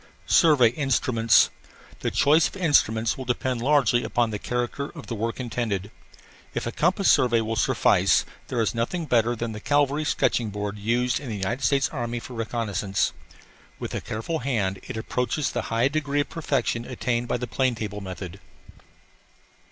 SURVEY INSTRUMENTS The choice of instruments will depend largely upon the character of the work intended. If a compass survey will suffice, there is nothing better than the cavalry sketching board used in the United States Army for reconnaissance. With a careful hand it approaches the high degree of perfection attained by the plane table method.